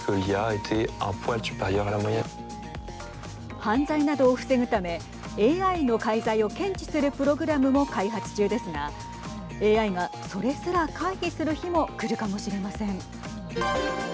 犯罪などを防ぐためＡＩの介在を検知するプログラムも開発中ですがＡＩがそれすら回避する日もくるかもしれません。